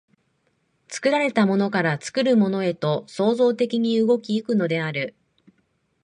作られたものから作るものへと創造的に動き行くのである。